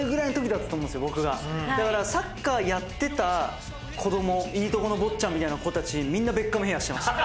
だからサッカーやってた子供いいとこの坊ちゃんみたいな子たちみんなベッカムヘアしてました。